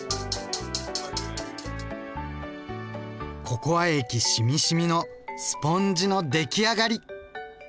ココア液しみしみのスポンジの出来上がり。